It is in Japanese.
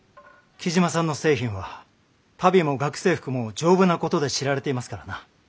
雉真さんの製品は足袋も学生服も丈夫なことで知られていますからな。